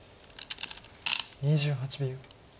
２８秒。